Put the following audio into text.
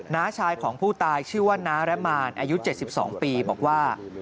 ้าชายของผู้ตายชื่อว่าน้าระมานอายุ๗๒ปีบอกว่า